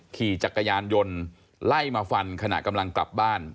ขี่จักรยานยนต์ไล่มาฟันขณะกำลังกลับบ้าน